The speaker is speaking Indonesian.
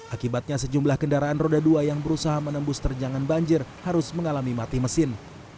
akibatnya sejumlah kendaraan roda dua yang berusaha menembus terjangan banjir harus mengalami mati mesin